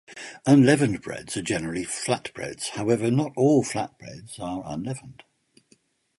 Unleavened breads are generally flat breads; however, not all flat breads are unleavened.